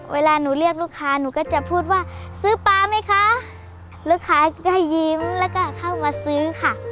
เวลาหนูเรียกลูกค้าหนูก็จะพูดว่าซื้อปลาไหมคะลูกค้าก็ยิ้มแล้วก็เข้ามาซื้อค่ะ